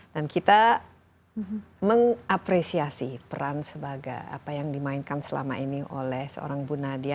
dan kita mengapresiasi peran sebagai apa yang dimainkan selama ini oleh seorang bu nadia